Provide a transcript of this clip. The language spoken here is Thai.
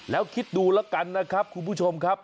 แล้วคิดดูแล้วกันนะครับคุณผู้ชมครับ